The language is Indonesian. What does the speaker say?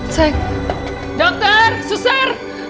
sayang dokter suster